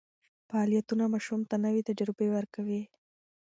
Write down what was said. فعالیتونه ماشوم ته نوې تجربې ورکوي.